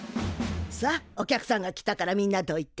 さあお客さんが来たからみんなどいて。